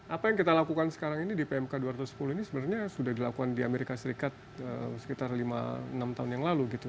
apa yang kita lakukan sekarang ini di pmk dua ratus sepuluh ini sebenarnya sudah dilakukan di amerika serikat sekitar enam tahun yang lalu gitu